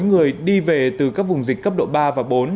người đi về từ các vùng dịch cấp độ ba và bốn